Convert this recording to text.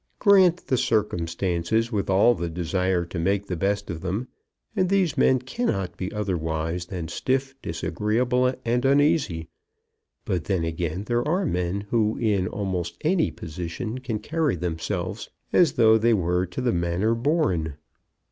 Grant the circumstances, with all the desire to make the best of them, and these men cannot be otherwise than stiff, disagreeable, and uneasy. But then, again, there are men who in almost any position can carry themselves as though they were to the manner born.